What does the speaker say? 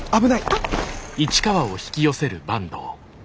あっ。